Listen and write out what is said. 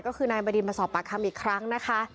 ก็คือนายบดินมาสอบปากคำอีกครั้งนะคะ